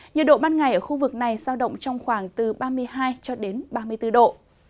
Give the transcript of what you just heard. nhiệt độ ban ngày ở khu vực này giao động trong khoảng từ ba mươi hai cho đến ba mươi bốn độ